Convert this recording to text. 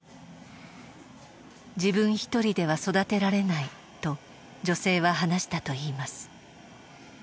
「自分一人では育てられない」と女性は話したといいます。